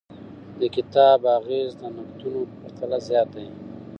د کتاب اغیز د نقدونو په پرتله زیات دی.